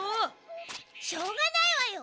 しょうがないわよ。